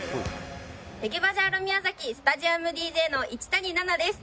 テゲバジャーロ宮崎スタジアムＤＪのいちたにななです。